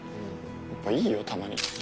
やっぱいいよたまには。